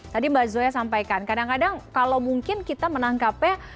tadi mbak zoya sampaikan kadang kadang kalau mungkin kita menangkapnya